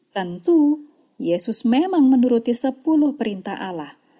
tentu yesus memang menuruti sepuluh perintah allah